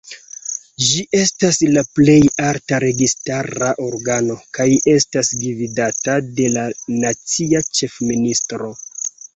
Ĝi estas la plej alta registara organo, kaj estas gvidata de la nacia ĉefministro.